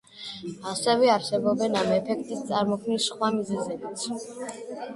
ასევე არსებობენ ამ ეფექტის წარმოქმნის სხვა მიზეზებიც.